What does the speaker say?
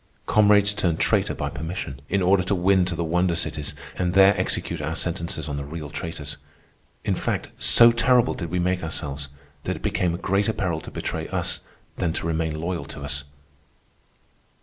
Comrades turned traitor by permission, in order to win to the wonder cities and there execute our sentences on the real traitors. In fact, so terrible did we make ourselves, that it became a greater peril to betray us than to remain loyal to us.